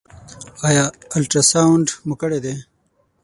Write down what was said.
ایا الټراساونډ مو کړی دی؟